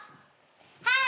はい！